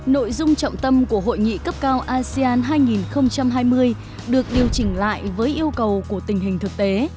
nội dung trọng tâm của hội nghị cấp cao asean hai nghìn hai mươi được điều chỉnh lại với yêu cầu của tình hình thực tế